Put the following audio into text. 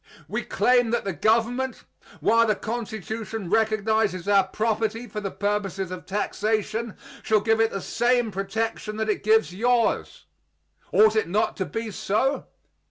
We claim that the government, while the Constitution recognizes our property for the purposes of taxation, shall give it the same protection that it gives yours. Ought it not to be so?